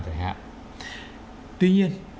giải hạn tuy nhiên